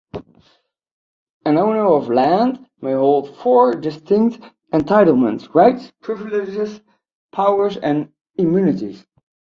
An owner of land may hold four distinct entitlements: rights, privileges, powers, and immunities.